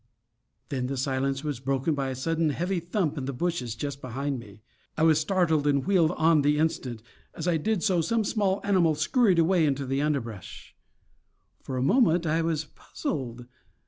Then the silence was broken by a sudden heavy thump in the bushes just behind me. I was startled, and wheeled on the instant; as I did so, some small animal scurried away into the underbrush. For a moment I was puzzled.